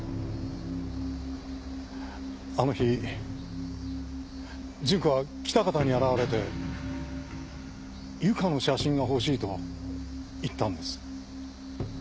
あの日純子は喜多方に現れて由香の写真が欲しいと言ったんです。